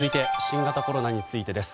続いて新型コロナについてです。